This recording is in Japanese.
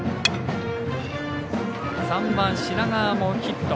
３番、品川もヒット。